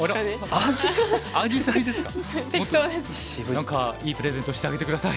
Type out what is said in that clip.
何かいいプレゼントしてあげて下さい。